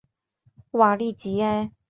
瓦利吉埃。